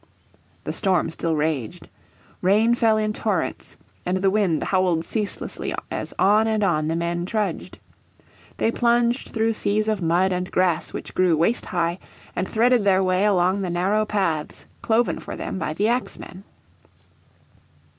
The storm still raged. Rain fell in torrents, and the wind howled ceaselessly as on and on the men trudged. They plunged through seas of mud, and grass which grew waist high, and threaded their way along the narrow paths cloven for them by the axemen.